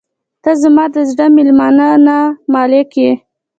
• ته زما د زړه میلمانه نه، مالک یې.